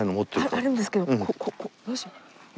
あるんですけどここどうしよう？